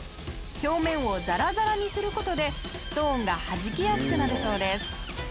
表面をザラザラにする事でストーンがはじきやすくなるそうです。